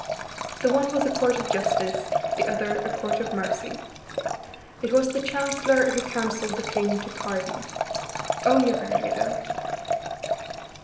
The one was a court of justice, the other a court of mercy. It was the Chancellor who counselled the king to pardon; only rarely, though.